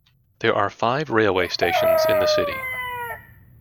There are five railway stations in the city.